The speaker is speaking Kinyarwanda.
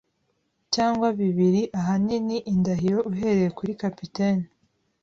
cyangwa bibiri, ahanini indahiro, uhereye kuri capitaine.